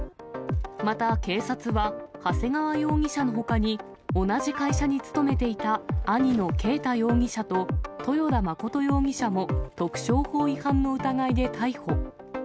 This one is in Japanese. また警察は、長谷川容疑者のほかに、同じ会社に勤めていた兄の慶太容疑者と豊田真琴容疑者も、特商法違反の疑いで逮捕。